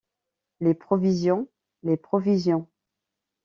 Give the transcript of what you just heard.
Les provisions! les provisions !